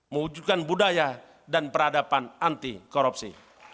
mewujudkan budaya dan peradaban anti korupsi